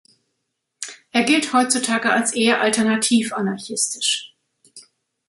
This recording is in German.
Er gilt heutzutage als eher alternativ-anarchistisch.